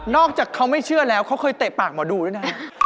อกจากเขาไม่เชื่อแล้วเขาเคยเตะปากหมอดูด้วยนะ